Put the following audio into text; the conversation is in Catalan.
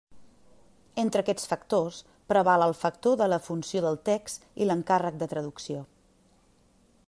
Entre aquests factors, preval el factor de la funció del text i l’encàrrec de traducció.